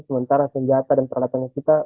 sementara senjata dan peralatannya kita